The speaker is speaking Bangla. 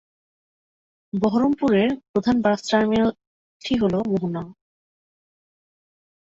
বহরমপুর এর প্রধান বাস টার্মিনাস টি হল "মোহনা"।